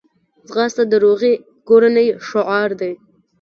ځغاسته د روغې کورنۍ شعار دی